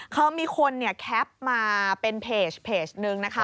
เขามีคนแคปมาเป็นเพจหนึ่งนะคะ